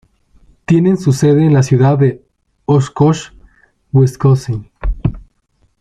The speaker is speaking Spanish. Tienen su sede en la ciudad de Oshkosh, Wisconsin.